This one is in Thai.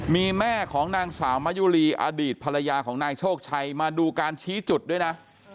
มีแม่ของนางสาวมะยุรีอดีตภรรยาของนายโชคชัยมาดูการชี้จุดด้วยนะ